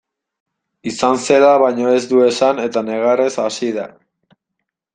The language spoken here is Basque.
Izan zela baino ez du esan eta negarrez hasi da.